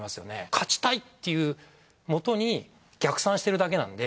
勝ちたいっていうもとに逆算してるだけなんで。